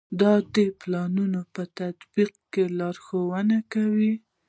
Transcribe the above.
دا د پلانونو په تطبیق کې لارښوونې کوي.